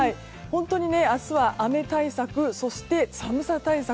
本当に明日は雨対策、そして、寒さ対策